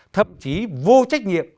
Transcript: thậm chí vô trách nhiệm